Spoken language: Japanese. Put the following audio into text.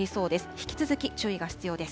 引き続き注意が必要です。